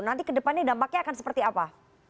nanti ke depannya dampaknya akan seperti apa